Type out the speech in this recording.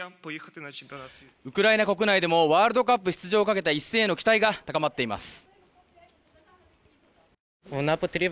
ウクライナ国内でもワールドカップ出場をかけた一戦への期待が高まっています。